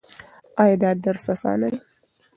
ایا دا درس اسانه دی؟